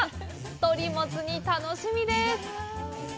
鳥もつ煮、楽しみです！